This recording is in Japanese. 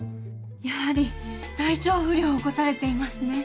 やはり体調不良を起こされていますね。